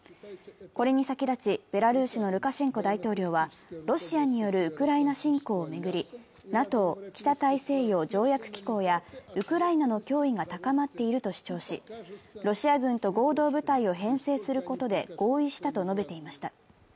これに先立ち、ベラルーシのルカシェンコ大統領はロシアによるウクライナ侵攻を巡り、ＮＡＴＯ＝北大西洋条約機構やウクライナの脅威が高まっていると主張しロシア軍と合同部隊を編成することで合意したと述べていました。